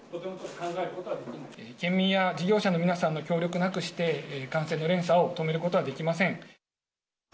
県民や事業者の皆さんの協力なくして、感染の連鎖を止めることはできません。